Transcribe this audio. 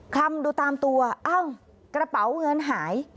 คำดูตามตัวอ้าวกระเป๋าเงินหาย